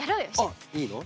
あっいいよ。